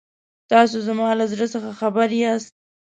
تاسو زما له زړه څخه خبر یاست.